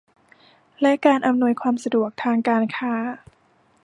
และการอำนวยความสะดวกทางการค้า